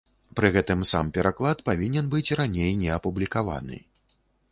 Пры гэтым сам пераклад павінен быць раней не апублікаваны.